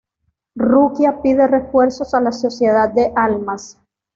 Rukia pide refuerzos a la Sociedad de Almas.